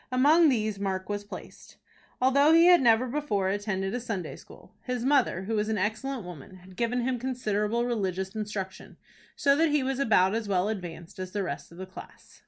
Among these Mark was placed. Although he had never before attended a Sunday school, his mother, who was an excellent woman, had given him considerable religious instruction, so that he was about as well advanced as the rest of the class.